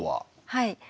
はい。